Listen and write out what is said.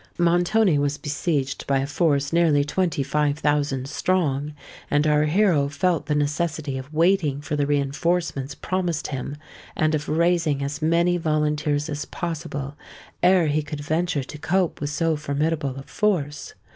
Montoni was besieged by a force nearly twenty five thousand strong; and our hero felt the necessity of waiting for the reinforcements promised him, and of raising as many volunteers as possible, ere he could venture to cope with so formidable a force.